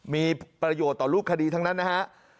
มีประโยชน์ต่อรูปคดีทั้งนั้นนะฮะ